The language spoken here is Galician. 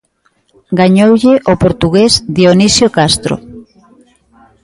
Gañoulle o portugués Dionisio Castro.